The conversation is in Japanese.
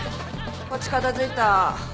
こっち片付いた。